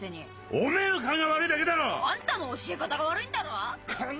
おめぇの勘が悪いだけだろ！あんたの教え方が悪いんだろ！